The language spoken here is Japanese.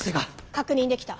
確認できた。